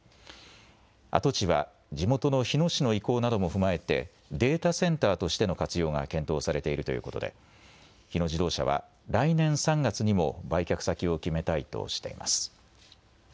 跡地は地元の日野市の意向なども踏まえてデータセンターとしての活用が検討されているということで日野自動車は来年３月にも売却先を決めたいとしています。